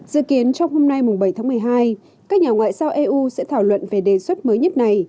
dự kiến trong hôm nay bảy tháng một mươi hai các nhà ngoại giao eu sẽ thảo luận về đề xuất mới nhất này